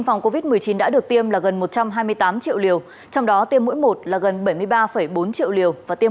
phòng covid một mươi chín đã được tiêm là gần một trăm hai mươi tám triệu liều trong đó tiêm mỗi một là gần bảy mươi ba bốn triệu liều và tiêm